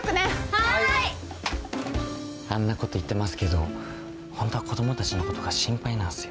はーい！あんなこと言ってますけどホントは子供たちのことが心配なんすよ。